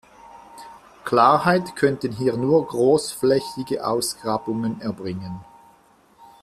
Klarheit könnten hier nur großflächige Ausgrabungen erbringen.